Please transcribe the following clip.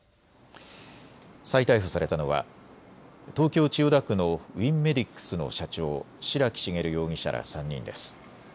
再逮捕されたのは東京千代田区のウィンメディックスの社長、白木茂容疑者ら３人です。